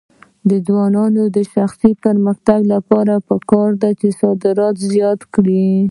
د ځوانانو د شخصي پرمختګ لپاره پکار ده چې صادرات زیات کړي.